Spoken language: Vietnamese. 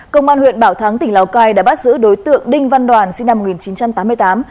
công an huyện bảo thắng tỉnh lào cai đã bắt giữ đối tượng đinh văn đoàn sinh năm một nghìn chín trăm tám mươi tám